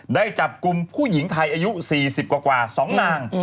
ได้จับกลุ่มผู้หญิงไทยอายุ๔๐กว่า๒นาง